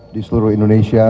di seluruh indonesia